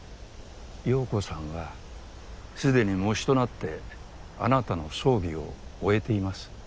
葉子さんはすでに喪主となってあなたの葬儀を終えています。